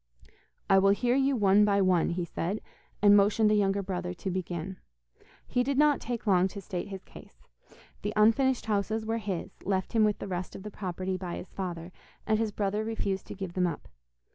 'I will hear you one by one,' he said, and motioned the younger brother to begin. He did not take long to state his case. The unfinished houses were his, left him with the rest of the property by his father, and his brother refused to give them up.